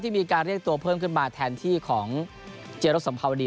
มีการเรียกตัวเพิ่มขึ้นมาแทนที่ของเจรสสัมภาวดี